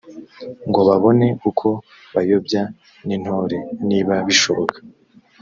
ngo babone uko bayobya n intore niba bishoboka